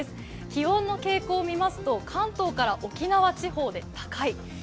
気温の傾向を見ますと、関東から沖縄地方で高い。